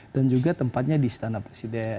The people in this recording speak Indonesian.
dan juga tempatnya di istana presiden